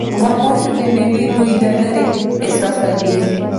غوماشې د مېوې بوی له لېرې احساسوي.